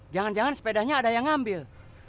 jangan jangan sepedanya ada yang ngambil